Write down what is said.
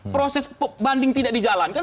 proses banding tidak dijalankan